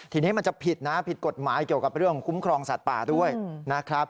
ทีนี้มันจะผิดนะผิดกฎหมายเกี่ยวกับเรื่องของคุ้มครองสัตว์ป่าด้วยนะครับ